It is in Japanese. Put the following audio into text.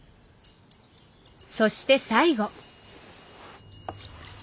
そして最後。